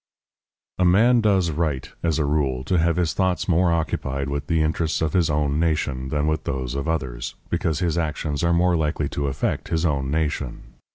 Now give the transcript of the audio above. A man does right, as a rule, to have his thoughts more occupied with the interests of his own nation than with those of others, because his actions are more likely to affect his own nation.